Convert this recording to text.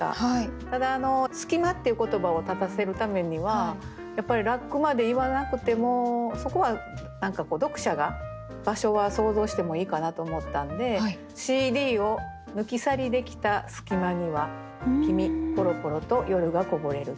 ただ「隙間」っていう言葉を立たせるためにはやっぱり「ラック」まで言わなくてもそこは読者が場所は想像してもいいかなと思ったんで「ＣＤを抜き去りできた隙間には君ぽろぽろと夜がこぼれる」。